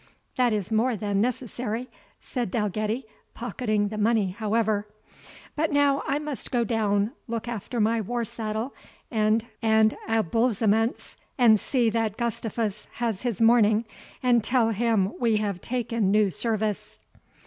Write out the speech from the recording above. "That is more than necessary," said Dalgetty, pocketing the money however. "But now I must go down, look after my war saddle and abuilziements, and see that Gustavus has his morning, and tell him we have taken new service."